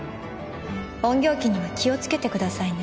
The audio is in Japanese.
隠形鬼には気を付けてくださいね